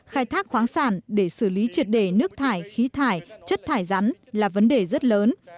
khai thác khoáng sản để xử lý triệt đề nước thải khí thải chất thải rắn là vấn đề rất lớn